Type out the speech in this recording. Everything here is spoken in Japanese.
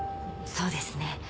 そうですね。